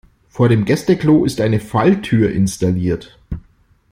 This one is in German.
Vor dem Gäste-Klo ist eine Falltür installiert.